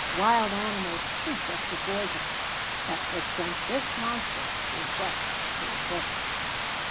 Wild animals sleep after gorging, but it sent this monster, refreshed, to his work.